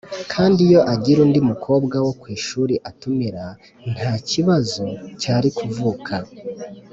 Kandi iyo agira undi mukobwa wo ku ishuri atumira, nta kibazo cyari kuvuka